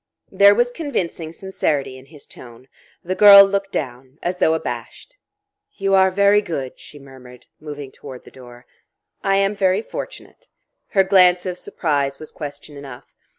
There was convincing sincerity in his tone. The girl looked down, as though abashed. "You are very good," she murmured, moving toward the door. "I am very fortunate." Her glance of surprise was question enough.